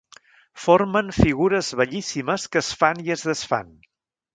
Formen figures bellíssimes que es fan i es desfan.